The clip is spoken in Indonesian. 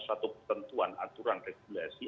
satu ketentuan aturan regulasi